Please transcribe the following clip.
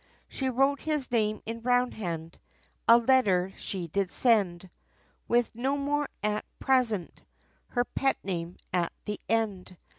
She wrote his name, in roundhand, A letter, she did send, With "No more now at present," Her pet name, at the end.